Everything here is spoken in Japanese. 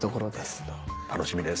楽しみです。